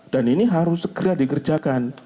dan ini harus segera dikerjakan